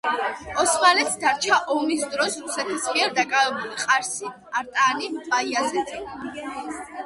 ოსმალეთს დარჩა ომის დროს რუსეთის მიერ დაკავებული ყარსი, არტაანი, ბაიაზეთი.